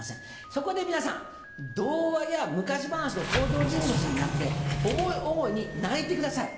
そこで皆さん童話や昔話の登場人物になって思い思いに泣いてください。